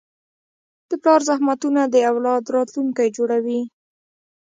د پلار زحمتونه د اولاد راتلونکی جوړوي.